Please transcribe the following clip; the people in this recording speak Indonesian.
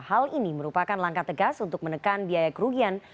hal ini merupakan langkah tegas untuk menekan biaya kerugian